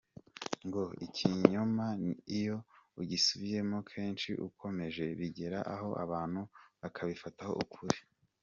Ngo ikinyoma iyo ugisubiyemo kenshi ukomeje, bigera aho abantu bakabifataho ukuri.